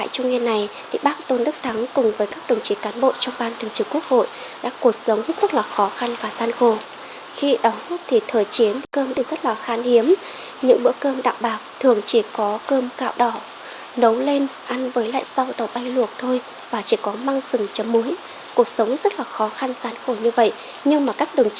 trong thời gian ở và làm việc tại trung yên này thì bắc tôn đức thắng cùng với các đồng chí cán bộ